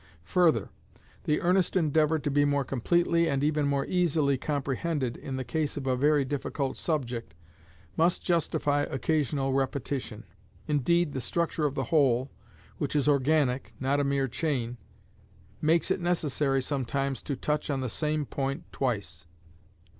Further, the earnest endeavour to be more completely and even more easily comprehended in the case of a very difficult subject, must justify occasional repetition. Indeed the structure of the whole, which is organic, not a mere chain, makes it necessary sometimes to touch on the same point twice.